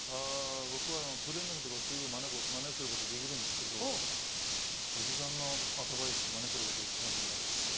僕はトレーニングとかすぐマネすることできるんですけど叔父さんのアドバイスマネすること一番できないんですよ。